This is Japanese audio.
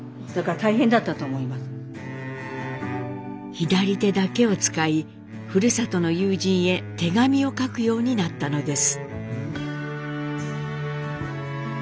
左手だけを使いふるさとの友人へ手紙を書くようになったのです。